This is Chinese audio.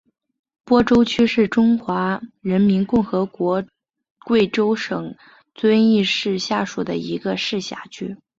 播州区是中华人民共和国贵州省遵义市下属的一个市辖区。